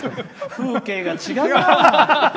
風景が違うな！